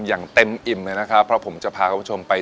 อย่างเต็มอิ่มเลยนะครับเพราะผมจะพาคุณผู้ชมไป